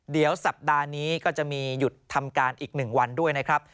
เดี๋ยวสัปดาห์นี้ก็จะมีหยุดทำการอีก๑วันด้วยนะครับ